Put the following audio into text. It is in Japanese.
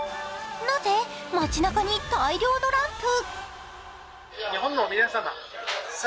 なぜ街なかに大量のランプ。